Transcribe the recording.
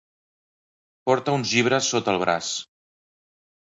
Porta uns llibres sota el braç.